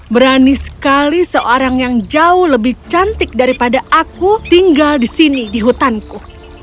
berani sekali seorang yang jauh lebih cantik daripada aku tinggal di sini di hutanku